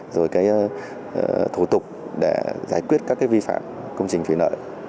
rồi cái thủ tục để giải quyết các vi phạm công trình thủy lợi